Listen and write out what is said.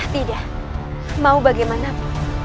tidak mau bagaimana pun